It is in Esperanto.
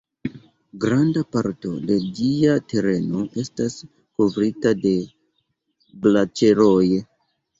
Granda parto de ĝia tereno estas kovrita de glaĉeroj.